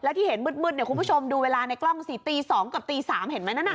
แล้วที่เห็นมืดมืดเนี่ยคุณผู้ชมดูเวลาในกล้องสิตีสองกับตีสามเห็นไหมนะน่ะ